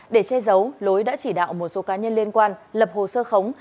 để che giấu lối đã chỉ đạo một số cá nhân liên quan lập hồ sơ khống